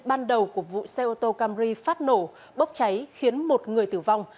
ban đầu của vụ xe ô tô camri phát nổ bốc cháy khiến một người tử vong